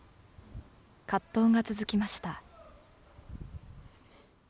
葛藤が続きました。